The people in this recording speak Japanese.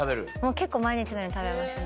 結構毎日のように食べますね。